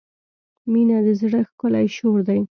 • مینه د زړۀ ښکلی شور دی.